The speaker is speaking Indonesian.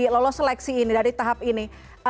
lolos seleksi ini dari tahap ini